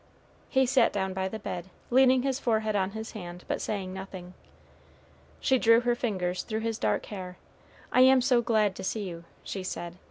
He sat down by the bed, leaning his forehead on his hand, but saying nothing. She drew her fingers through his dark hair. "I am so glad to see you," she said.